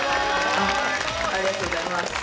ありがとうございます。